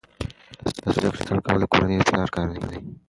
د زده کړې ملاتړ کول د کورنۍ د پلار کار دی.